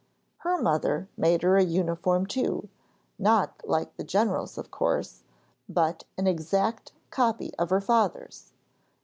Her mother made her a uniform too, not like the general's, of course, but an exact copy of her father's.